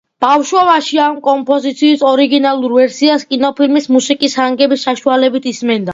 ბავშვობაში ამ კომპოზიციის ორიგინალურ ვერსიას კინოფილმის მუსიკის ჰანგების საშუალებით ისმენდა.